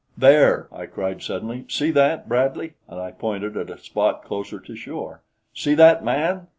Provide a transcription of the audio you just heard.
"There!" I cried suddenly. "See that, Bradley?" And I pointed at a spot closer to shore. "See that, man!"